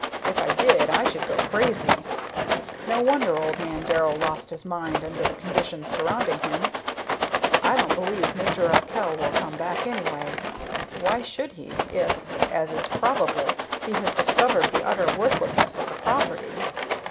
If I did, I should go crazy. No wonder old man Darrell lost his mind under the conditions surrounding him. I don't believe Major Arkell will come back, anyway. Why should he, if, as is probable, he has discovered the utter worthlessness of the property?